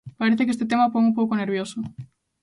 Parece que este tema o pon un pouco nervioso.